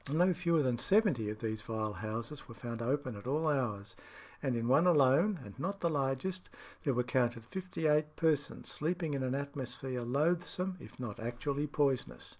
No fewer than seventy of these vile houses were found open at all hours, and in one alone, and not the largest, there were counted fifty eight persons sleeping in an atmosphere loathsome if not actually poisonous.